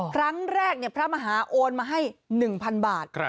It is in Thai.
ครั้งแรกพระมหาโอนมาให้๑๐๐๐บาท